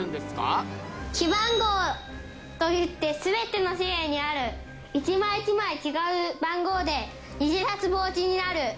記番号といって全ての紙幣にある１枚１枚違う番号で偽札防止になる。